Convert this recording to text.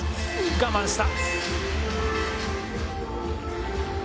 我慢した。